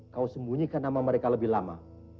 kau sembunyikan nama mereka lebih lama